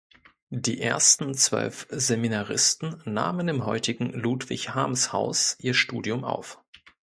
Die ersten zwölf Seminaristen nahmen im heutigen „Ludwig-Harms-Haus“ ihr Studium auf.